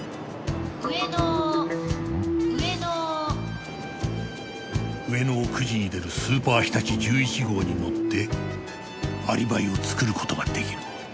「上野上野」上野を９時に出るスーパーひたち１１号に乗ってアリバイを作る事が出来る。